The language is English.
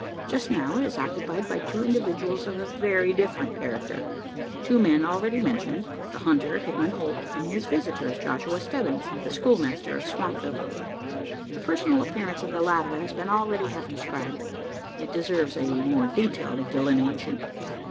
Just now, it is occupied by two individuals of a very different character two men already mentioned the hunter Hickman Holt, and his visitor Joshua Stebbins, the schoolmaster of Swampville. The personal appearance of the latter has been already half described. It deserves a more detailed delineation.